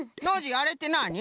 あれってなに？